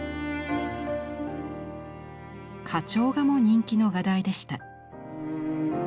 花鳥画も人気の画題でした。